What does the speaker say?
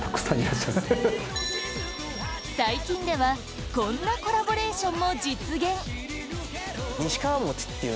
最近ではこんなコラボレーションも実現えっ？